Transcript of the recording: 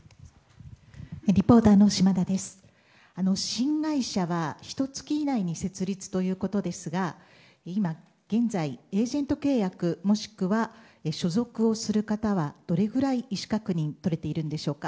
新会社は、ひと月以内に設立ということですが今現在、エージェント契約もしくは所属をする方はどれくらい意思確認とれているんでしょうか。